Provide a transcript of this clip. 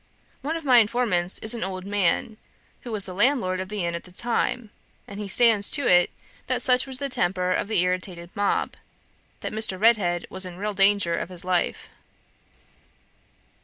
One of my informants is an old man, who was the landlord of the inn at the time, and he stands to it that such was the temper of the irritated mob, that Mr. Redhead was in real danger of his life.